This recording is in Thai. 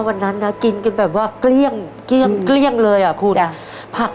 หนูอยากกินอะไรกันอีกลูก